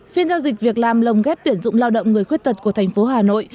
phiên giao dịch việc làm lồng ghép tuyển dụng lao động người khuyết tật của thành phố hà nội